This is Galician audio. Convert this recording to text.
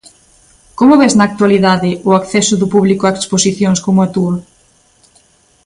Como ves na actualidade o acceso do público a exposicións como a túa?